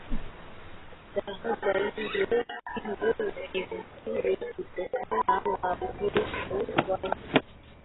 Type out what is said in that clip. Daraja hilo ni kivutio kutokana na urefu wake